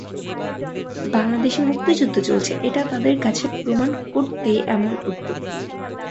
বাংলাদেশে মুক্তিযুদ্ধ চলছে, এটা তাদের কাছে প্রমাণ করতেই এমন উদ্যোগ।